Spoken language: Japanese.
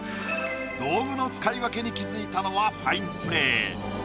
道具の使い分けに気づいたのはファインプレー。